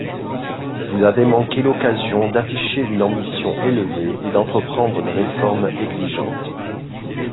Vous avez manqué l’occasion d’afficher une ambition élevée et d’entreprendre des réformes exigeantes.